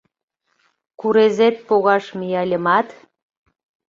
Курезет погаш мияльымат